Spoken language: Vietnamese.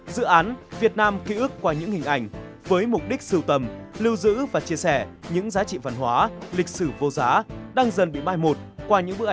dự án việt nam kỷ ước qua những hình ảnh với mục đích sưu tầm lưu giữ và chia sẻ những giá trị văn hóa lịch sử vô giá đang dần bị bai một qua những đối tượng